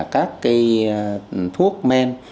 các thuốc men